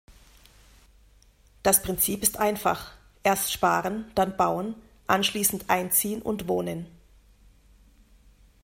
Das Prinzip ist einfach: erst Sparen, dann Bauen, anschließen Einziehen und Wohnen.